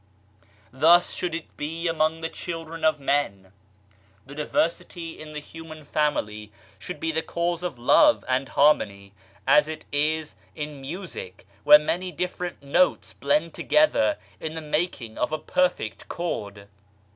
Thus should it be among the children of men ! The diversity in the human family should be the cause of love and harmony, as it is in music where many different notes blend together in the making of a perfect chord.